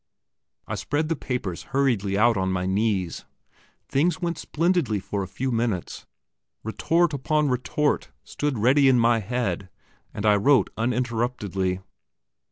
I spread the papers hurriedly out on my knees. Things went splendidly for a few minutes. Retort upon retort stood ready in my head, and I wrote uninterruptedly.